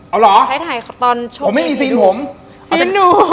เอาเหรอใช้ถ่ายตอนโชว์ผมไม่มีซีนผมซีนหนู